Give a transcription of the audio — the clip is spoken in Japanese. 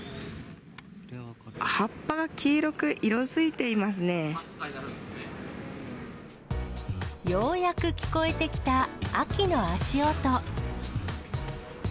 葉っぱが黄色く色づいていまようやく聞こえてきた秋の足音。